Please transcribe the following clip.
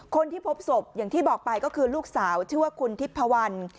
คนที่พบศพอย่างที่บอกไปก็คือลูกสาวชื่อว่าคุณทิพพวัน